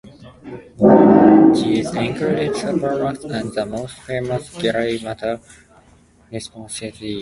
These included SuperMax and the most famous, Grey Matter Response's E!